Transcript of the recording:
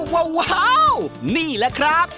ว้าวนี่แหละครับ